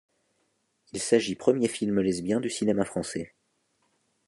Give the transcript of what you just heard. Il s'agit premier film lesbien du cinéma français.